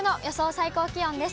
最高気温です。